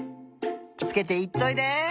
きをつけていっといで！